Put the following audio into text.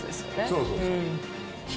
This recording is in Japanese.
そうそうそう。